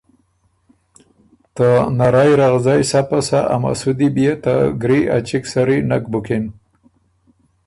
ته نرئ رغزئ سَۀ پَسۀ ا مسُودی بيې ته ګری ا چِګ سری نک بُکِن